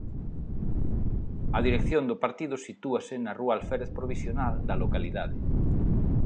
A dirección do partido sitúase na Rúa Alférez Provisional da localidade.